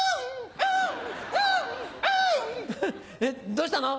どうしたの？